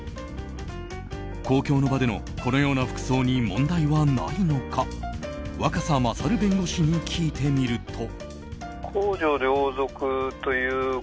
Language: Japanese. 公共の場でのこのような服装に問題はないのか若狭勝弁護士に聞いてみると。